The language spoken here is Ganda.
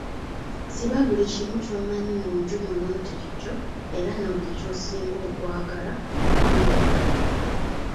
Siba buli kimu ky'omanyi mu nju muno nti kikyo era na buli ky'osinga okwagala odde ewammwe.